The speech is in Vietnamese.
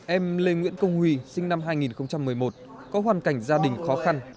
em lê nguyễn công huy sinh năm hai nghìn một mươi một có hoàn cảnh gia đình khó khăn